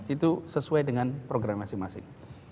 itu sesuai dengan program masing masing